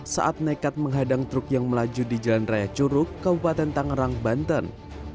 saat nekat menghadang truk yang melaju di jalan raya curug kabupaten tangerang banten